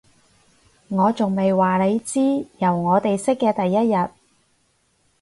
我仲未話你知，由我哋識嘅第一日